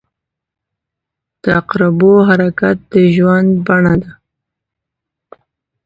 • د عقربو حرکت د ژوند بڼه ده.